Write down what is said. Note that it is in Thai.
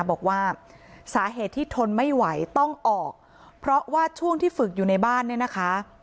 บอกว่าสาเหตุที่ทนไม่ไหวต้องออกเพราะว่าช่วงที่ฝึกอยู่ในบ้านเนี่ยนะคะ